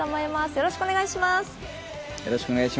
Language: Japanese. よろしくお願いします。